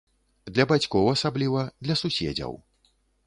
Для бацькоў асабліва, для суседзяў.